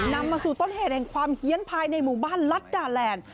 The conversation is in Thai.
นำมาสู่ต้นเหตุแห่งความเฮียนภายในหมู่บ้านลัดดาแลนด์